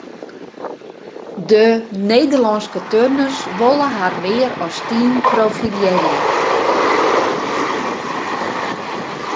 De Nederlânske turners wolle har mear as team profilearje.